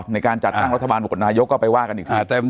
ในการจัดตั้งรัฐบาลบุคนายกก็ไปว่ากันอีกที